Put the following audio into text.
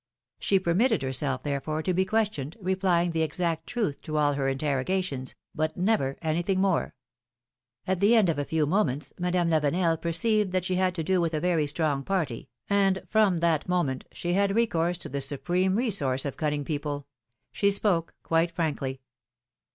She permitted herself, therefore, to be questioned, re plying the exact truth to all her interrogations, but never anything more. At the end of a few moments, Madame Lavenel perceived that she had to do with a very strong party, and, from that moment, she had recourse to the 80 philomI:ne's marriages. supreme resource of cunning people: she spoke quite frankly.